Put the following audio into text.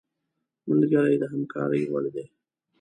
ملګری د همکارۍ وړ دی